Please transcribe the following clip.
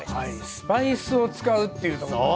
スパイスを使うっていうとこがね。